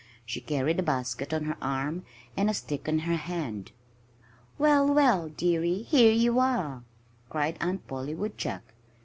She carried a basket on her arm, and a stick in her hand. "Well, well, dearie! Here you are!" cried Aunt Polly Woodchuck.